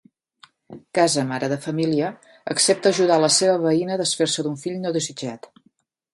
Casa, mare de família, accepta ajudar la seva veïna a desfer-se d'un fill no desitjat.